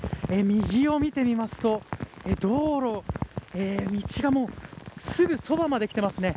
右を見てみますと道路、道がもうすぐそばまできていますね。